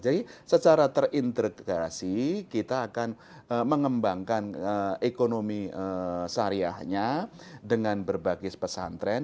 jadi secara terintegrasi kita akan mengembangkan ekonomi sehariahnya dengan berbagai pesantren